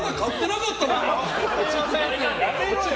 やめろよ！